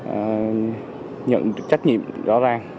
và nhận được trách nhiệm rõ ràng